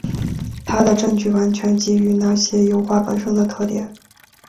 他的证据完全基于那些油画本身的特点。